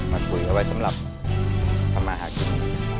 มาถุยเอาไว้สำหรับทำอาหารชีวิต